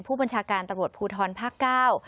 ผู้บัญชาการตำรวจภูทรภาคเก้า